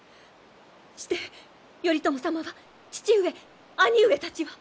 して頼朝様は？父上兄上たちは？